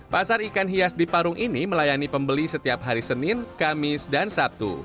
pasar ikan hias di parung ini melayani pembeli setiap hari senin kamis dan sabtu